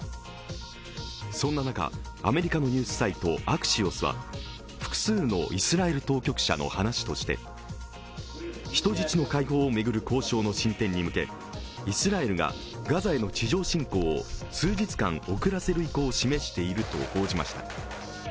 そんな中、アメリカのニュースサイトアクシオスは複数のイスラエル当局者の話として人質の解放を巡る交渉の進展に向けイスラエルがガザへの地上侵攻を数日間遅らせる意向を示していると報じました。